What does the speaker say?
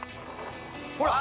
ほら